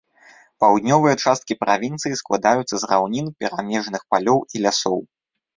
Паўднёвыя часткі правінцыі складаюцца з раўнін, перамежных палёў і лясоў.